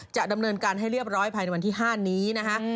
จะดำเนินการให้เรียบร้อยภายในวันที่๕นี้นะคะ